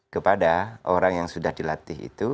kepada orang yang sudah dilatih itu